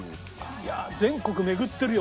いや全国巡ってるよ